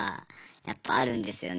やっぱあるんですよね。